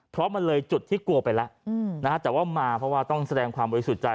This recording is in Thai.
เพราะมันเลยจุดที่กลัวไปแล้วนะฮะแต่ว่ามาเพราะว่าต้องแสดงความบริสุทธิ์ใจ